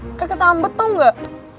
kayak kesambet tau gak